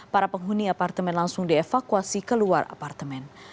para penghuni apartemen langsung dievakuasi keluar apartemen